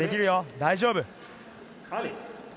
大丈夫。